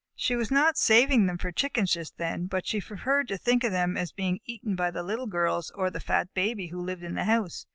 She was not saving them for Chickens just then, but she preferred to think of them as being eaten by the Little Girls or the fat Baby who lived in the house.